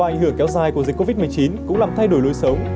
ảnh hưởng kéo dài của dịch covid một mươi chín cũng làm thay đổi lối sống